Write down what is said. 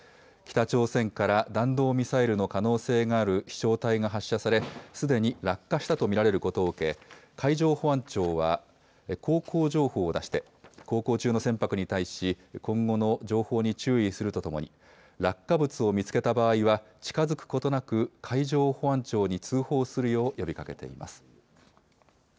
北朝鮮から弾道ミサイルの可能性がある飛しょう体が発射されすでに落下したと見られることをを受け海上保安庁は航行情報を出して航行中の船舶に対し今後の情報に注意するとともに落下物を見つけた場合は近づくことなく海上保安庁に通報するよう呼びかけています。